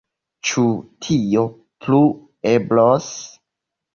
Ĉu tio plu eblos?